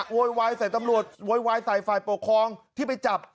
โวยวายใส่ตำรวจโวยวายใส่ฝ่ายปกครองที่ไปจับ